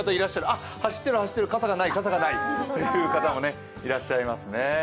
あ、走っている、傘がない、傘がないという方もいらっしゃいますね。